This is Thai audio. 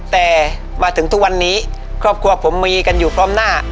แต่มาถึงทุกวันนี้ครอบครัวผมมีกันอยู่พร้อมหน้า